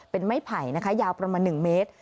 เป็นไม้ไผ่นะคะยาวประมาณ๑เมตร